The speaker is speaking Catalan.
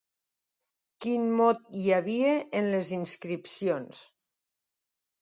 Quin mot hi havia en les inscripcions?